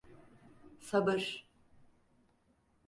Sabır…